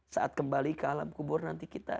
saat kembali ke alam kubur nanti kita